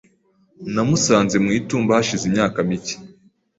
Namusanze mu itumba hashize imyaka mike.